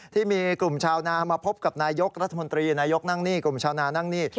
ที่มีกลุ่มชาวนามาพบกับนายกรัฐมนตรีนายกนั่งนี่กลุ่มชาวนานั่งนี่